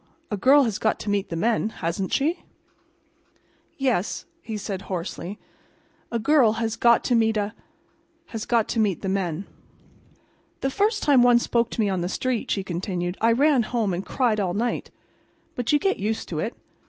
A girl has got to meet the men, hasn't she?" "Yes," he said, hoarsely. "A girl has got to meet a—has got to meet the men." "The first time one spoke to me on the street," she continued, "I ran home and cried all night. But you get used to it.